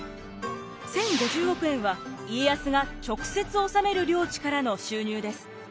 １，０５０億円は家康が直接治める領地からの収入です。